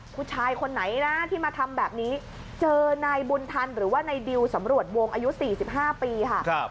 ผู้ชายคนไหนนะที่มาทำแบบนี้เจอนายบุญทันหรือว่านายดิวสำรวจวงอายุ๔๕ปีค่ะ